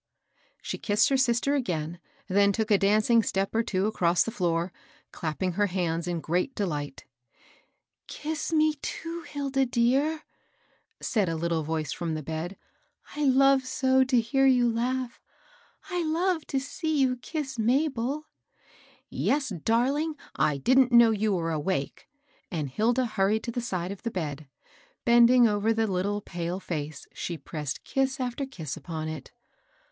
She kissed her sister again ; then took a dancing step or two across the floor, clapping her hands in great delight ^^ Kiss me, too, Hilda dear !" said a little voice from the bed. '^ T love so to hear you laugh I I love to see you kiss Mabel." " Yes, darling 1 1 didn't know you were awake ;" and Hilda hurried to the side of the bed. Bend ing over the little, pale face, she pressed kiss after kiss upon it.